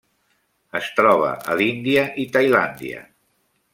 Es troba a l'Índia i Tailàndia.